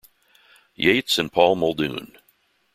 Yeats and Paul Muldoon.